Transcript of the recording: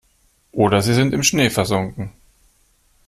Oder sie sind im Schnee versunken.